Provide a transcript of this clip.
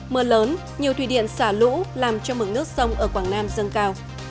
mưa lớn nhiều thủy điện xả lũ làm cho mực nước sông ở quảng nam dâng cao